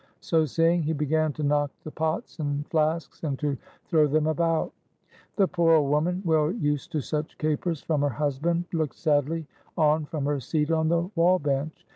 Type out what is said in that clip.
So saying, he began to knock the pots and flasks, and to throw them about. The poor old woman, well used to such capers from her husband, looked sadly on from her seat on the wall bench.